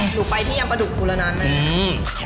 หนูไปเงียบประดุภูระนานได้